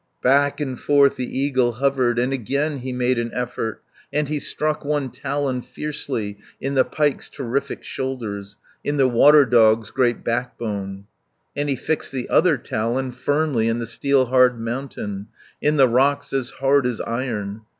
Back and forth the eagle hovered, And again he made an effort, And he struck one talon fiercely In the pike's terrific shoulders, In the water dog's great backbone, And he fixed the other talon Firmly in the steel hard mountain, In the rocks as hard as iron.